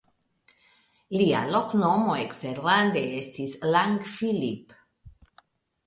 Lia nomo eksterlande estis "Lang Philipp".